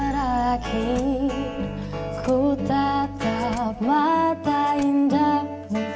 terakhir ku tetap mata indahmu